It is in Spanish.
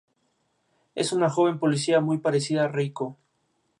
Es una joven policía muy parecida a Reiko.